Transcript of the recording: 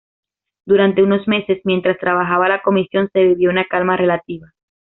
Durante unos meses, mientras trabajaba la Comisión, se vivió una calma relativa.